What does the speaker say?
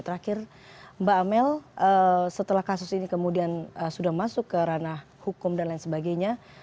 terakhir mbak amel setelah kasus ini kemudian sudah masuk ke ranah hukum dan lain sebagainya